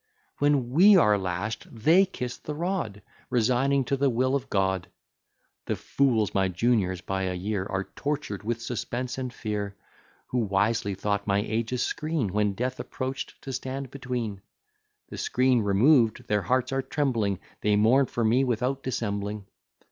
When we are lash'd, they kiss the rod, Resigning to the will of God. The fools, my juniors by a year, Are tortur'd with suspense and fear; Who wisely thought my age a screen, When death approach'd, to stand between: The screen removed, their hearts are trembling; They mourn for me without dissembling.